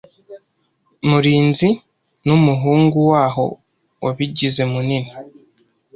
Murinzi numuhungu waho wabigize munini.